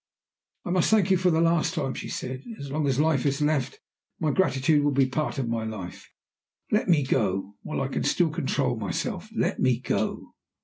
"I must thank you for the last time," she said. "As long as life is left, my gratitude will be a part of my life. Let me go. While I can still control myself, let me go!"